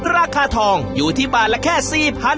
ราคาทองอยู่ที่บาทละแค่๔๐๐บาท